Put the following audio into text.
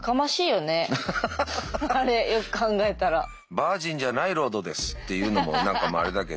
「バージンじゃないロードです」っていうのも何かまああれだけど。